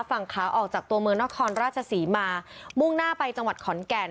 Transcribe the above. ฝั่งขาออกจากตัวเมืองนครราชศรีมามุ่งหน้าไปจังหวัดขอนแก่น